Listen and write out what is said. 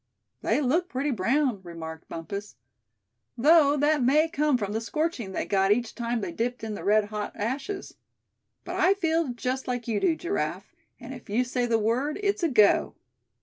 "They look pretty brown," remarked Bumpus, "though that may come from the scorching they got each time they dipped in the red hot ashes. But I feel just like you do, Giraffe; and if you say the word, it's a go."